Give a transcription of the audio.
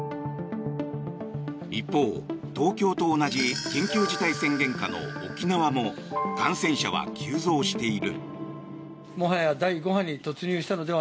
一方、東京と同じ緊急事態宣言下の沖縄も感染者は急増している。